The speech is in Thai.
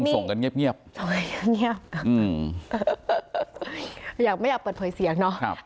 ทงส่งกันเงียบงี้งี้อย่างไม่อยากเปิดเผยเสียงเนาะครับ